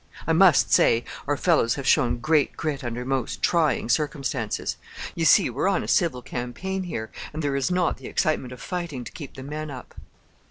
I must say our fellows have shown great grit under most trying circumstances. You see we are on a civil campaign here, and there is not the excitement of fighting to keep the men up."